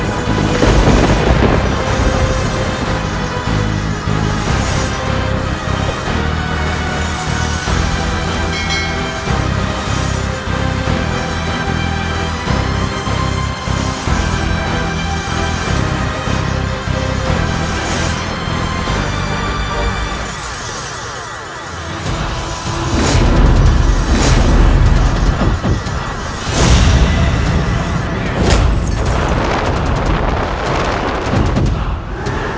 adikura ikenting manik